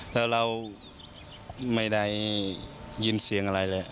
แล้วเราไม่ได้ยินเสียงอะไรเลย